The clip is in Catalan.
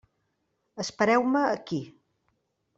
Espereu-me aquí.